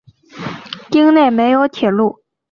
町内没有铁路。